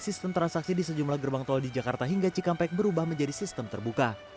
sistem transaksi di sejumlah gerbang tol di jakarta hingga cikampek berubah menjadi sistem terbuka